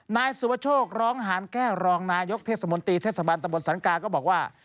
นายสุวโชคร้องหานแก้วรองนายกเทศมนตรีเทศบาลตะบนสรรกาก็บอกว่า